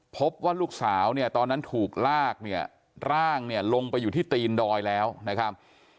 พบว่าลูกสาวเนี่ยตอนนั้นถูกลากเนี่ยร่างเนี่ยลงไปอยู่ที่ตีนดอยแล้วนะครับ